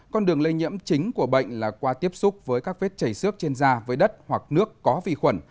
con đường lây nhiễm chính của bệnh là qua tiếp xúc với các vết chảy xước trên da với đất hoặc nước có vi khuẩn